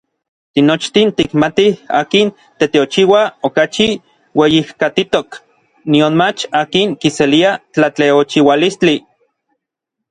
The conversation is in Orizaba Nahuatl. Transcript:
Tinochtin tikmatij akin teteochiua okachi ueyijkatitok nionmach akin kiselia tlateochiualistli.